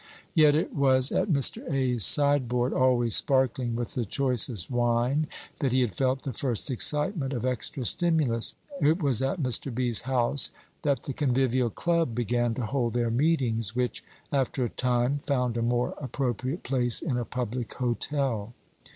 Yet it was at Mr. A.'s sideboard, always sparkling with the choicest wine, that he had felt the first excitement of extra stimulus; it was at Mr. B.'s house that the convivial club began to hold their meetings, which, after a time, found a more appropriate place in a public hotel.